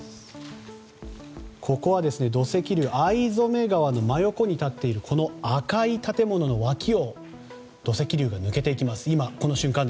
逢初川の真横に立っているこの赤い建物の脇を土石流が抜けていきます。